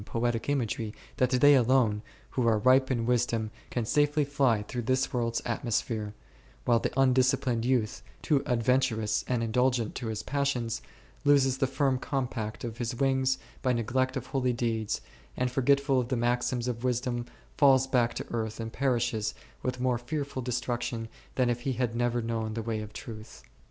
55 poetic imagery that they alone, who are ripe in wis dom, can safely fly through this world's atmosphere, while the undisciplined youth, too adventurous and indulgent to his passions, loses the firm compact of his wings by neglect of holy deeds, and forgetful of the maxims of wisdom falls back to earth and perishes with more fearful destruction than if he had never known the way of truth.